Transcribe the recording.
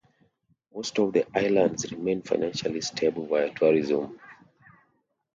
Most of the islands remain financially stable via tourism.